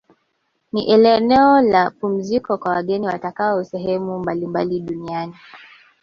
Ni eneo la mapumziko kwa wageni watokao sehemu mbalimbali duniani